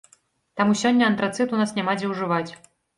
Таму сёння антрацыт у нас няма дзе ўжываць.